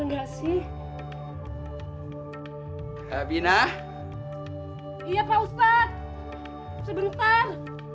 enggak saya yang kekenyangan